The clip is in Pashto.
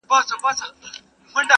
هم سلوک هم یې رفتار د ملکې وو-